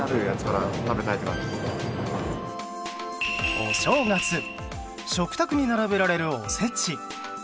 お正月食卓に並べられるお節。